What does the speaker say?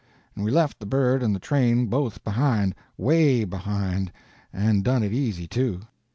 And we left the bird and the train both behind, 'way behind, and done it easy, too.